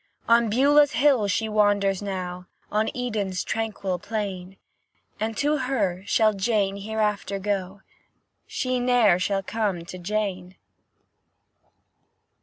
On Beulah's hills she wanders now, On Eden's tranquil plain; To her shall Jane hereafter go, She ne'er shall come to Jane!